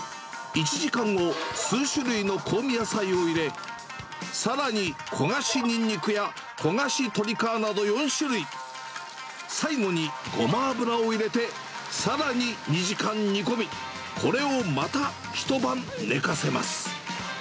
１時間後、数種類の香味野菜を入れ、さらに焦がしニンニクや、焦がし鶏皮など４種類、最後にごま油を入れて、さらに２時間煮込み、これをまた一晩寝かせます。